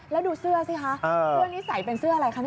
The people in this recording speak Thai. แล้วดูเสื้อสิคะเรื่องนี้ใส่เป็นเสื้ออะไรคะ